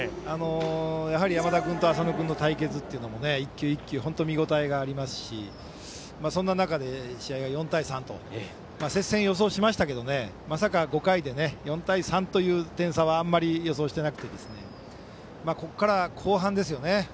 やはり、山田君と浅野君の対決見応えがありますしその中で４対３と接戦を予想しましたけどまさか５回で４対３という点差はあまり予想していなくてここから後半ですよね。